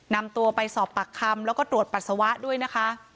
นำตัวไปสอบปากคำแล้วก็ตรวจปัสสาวะด้วยนะคะ